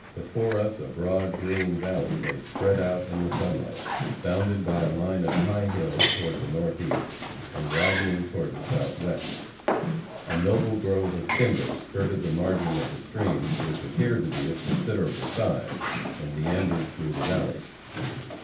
Before us a broad, green valley lay spread out in the sunlight, bounded by a line of high hills toward the northeast, and widening toward the southwest. A noble grove of timber skirted the margin of the stream, which appeared to be of considerable size, and meandered through the valley.